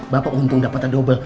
bapak untung dapat adobel